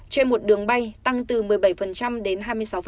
trên một đường bay tăng từ một mươi bảy đến hai mươi sáu